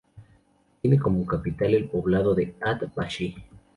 Tiene como capital el poblado de At-Bashi.